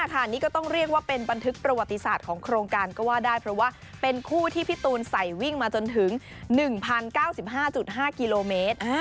นี่ก็ต้องเรียกว่าเป็นบันทึกประวัติศาสตร์ของโครงการก็ว่าได้เพราะว่าเป็นคู่ที่พี่ตูนใส่วิ่งมาจนถึง๑๐๙๕๕กิโลเมตร